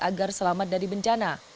agar selamat dari bencana